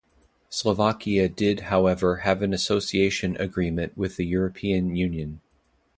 Slovakia did however have an Association Agreement with the European Union.